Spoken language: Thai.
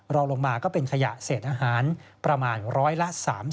รองลงมาก็เป็นขยะเศษอาหารประมาณร้อยละ๓๐